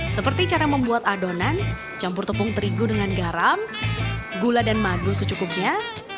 seperti cara membuat adonan campur tepung terigu dengan garam gula dan madu secukupnya